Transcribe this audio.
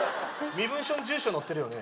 身分証に住所載ってるよね